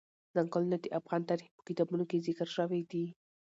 ځنګلونه د افغان تاریخ په کتابونو کې ذکر شوی دي.